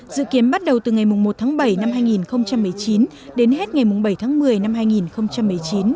dự kiến bắt đầu từ ngày một tháng bảy năm hai nghìn một mươi chín đến hết ngày bảy tháng một mươi năm hai nghìn một mươi chín